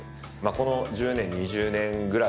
この１０年２０年ぐらいはですね